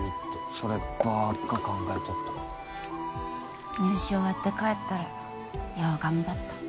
そればっか考えとった入試終わって帰ったら「よう頑張った